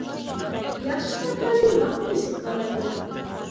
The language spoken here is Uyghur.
ياخشى كىتابلارنى ۋاقتىدا سېتىۋالايلى.